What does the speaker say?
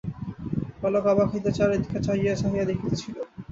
বালক অবাক হইয়া চারিদিকে চাহিয়া চাহিয়া দেখিতেছিল।